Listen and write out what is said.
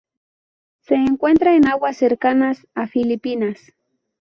Se encuentra en aguas cercanas a Filipinas.